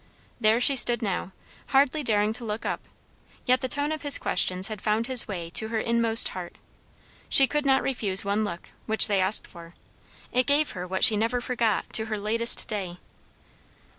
There she stood now, hardly daring to look up; yet the tone of his questions had found its way to her inmost heart. She could not refuse one look, which they asked for. It gave her what she never forgot to her latest day.